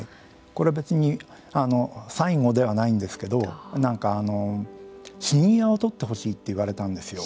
これ別に最後ではないんですけど何か死に際を撮ってほしいって言われたんですよ。